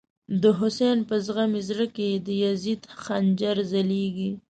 د «حسین» په زغمی زړه کی، د یزید خنجر ځلیږی